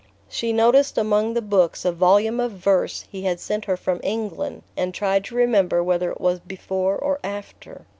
She noticed among the books a volume of verse he had sent her from England, and tried to remember whether it was before or after...